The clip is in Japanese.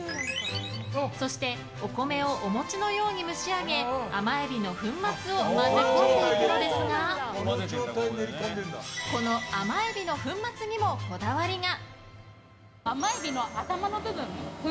そしてお米をお餅のように蒸し上げ甘エビの粉末を混ぜ込んでいくのですがこの甘エビの粉末にもこだわりが。